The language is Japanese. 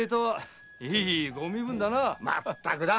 まったくだ！